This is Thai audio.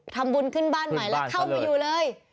ทำบุญขึ้นบ้านใหม่แล้วเข้ามาอยู่เลย